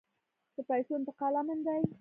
د پیسو انتقال امن دی؟